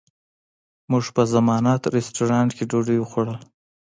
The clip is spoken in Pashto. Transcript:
موږ په ضیافت رسټورانټ کې ډوډۍ وخوړله.